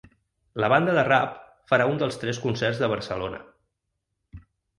La banda de rap farà un dels tres concerts de Barcelona.